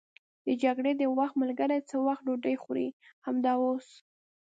د جګړې د وخت ملګري څه وخت ډوډۍ خوري؟ همدا اوس.